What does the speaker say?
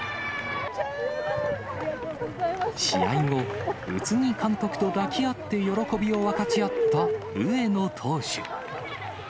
試合後、宇津木監督と抱き合って喜びを分かち合った上野投手。